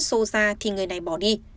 xô ra thì người này bỏ đi